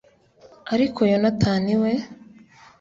ariko yonatani we